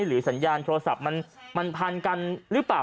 สัญญาณโทรศัพท์มันพันกันหรือเปล่า